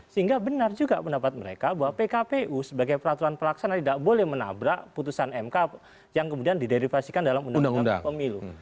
sehingga benar juga pendapat mereka bahwa pkpu sebagai peraturan pelaksana tidak boleh menabrak putusan mk yang kemudian diderivasikan dalam undang undang pemilu